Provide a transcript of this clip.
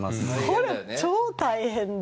それ超大変で。